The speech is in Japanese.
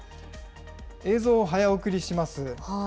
映像を早送りします。